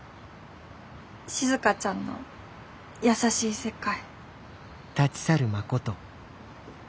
静ちゃんの優しい世界。